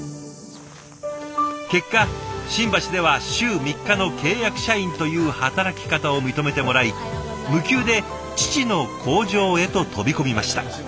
結果新橋では週３日の契約社員という働き方を認めてもらい無給で父の工場へと飛び込みました。